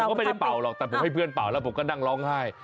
ก็ไม่ได้เป่าหรอกแต่ผมให้เพื่อนเป่าแล้วผมก็นั่งร้องไห้